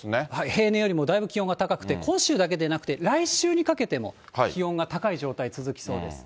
平年よりもだいぶ気温が高くて、今週だけでなくて、来週にかけても、気温が高い状態続きそうです。